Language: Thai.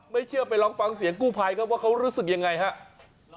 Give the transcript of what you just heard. ไม่เชื่อไปลองฟังเสียงกู้ภัยครับว่าเขารู้สึกยังไงครับ